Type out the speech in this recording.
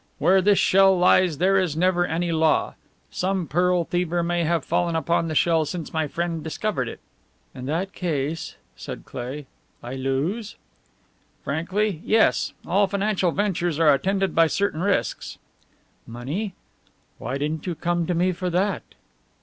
Where this shell lies there is never any law. Some pearl thiever may have fallen upon the shell since my friend discovered it." "In that case," said Cleigh, "I lose?" "Frankly, yes! All financial ventures are attended by certain risks." "Money? Why didn't you come to me for that?"